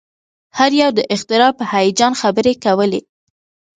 هر یو د اختراع په هیجان خبرې کولې